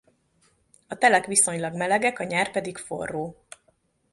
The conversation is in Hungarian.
A telek viszonylag melegek a nyár pedig forró.